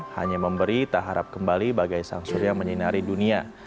hanya memberi tak harap kembali bagai sang surya menyinari dunia